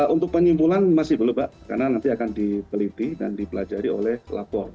untuk penyimpulan masih belum pak karena nanti akan dipeliti dan dipelajari oleh lapor